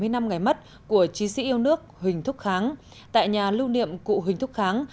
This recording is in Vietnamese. bảy mươi năm ngày mất của chí sĩ yêu nước huỳnh thúc kháng tại nhà lưu niệm cụ huỳnh thúc kháng